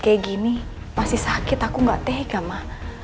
kayak gini masih sakit aku gak tega ma